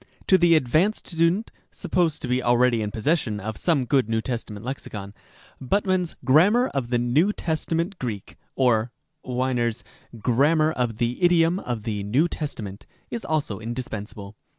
To the advanced student (supposed to be already in possession of some good New Testa ment Lexicon), Buttmann's "Grammar of the New Testament Greek " (or Winer's " Grammar of the Idiom of the New Tes tament ") is almost indispensable.